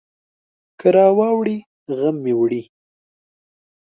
که راواړوي، غم مې وړي.